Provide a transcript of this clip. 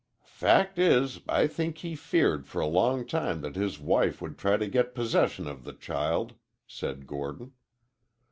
"Fact is, I think he feared for a long time that his wife would try to get possession of the child," said Gordon.